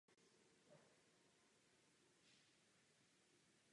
Sídlo má v New Yorku.